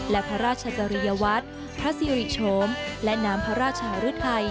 และพระราชจริยวัตรพระสิริโฉมและน้ำพระราชหรือไทย